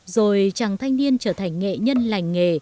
rồi chàng thanh niên trở thành nghệ nhân lành nghề